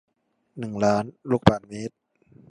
หนึ่งล้าน ลูกบาศก์เมตร